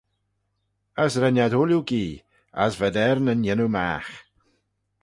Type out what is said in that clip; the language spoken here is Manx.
As ren ad ooilley gee, as v'ad er nyn yannoo magh.